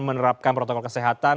menerapkan protokol kesehatan